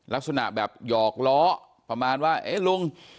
ลักษณะแบบหยอกล้อประมาณว่าเอ๊ะลุง